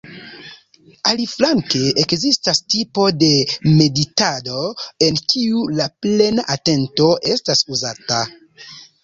Aliflanke ekzistas tipo de meditado en kiu la "plena atento estas uzata".